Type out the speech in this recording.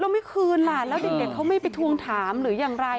แล้วทำไมครูยึดล้มไม่คืนล่ะแล้วเด็กเขาไม่ไปทุงถามหรือยังไง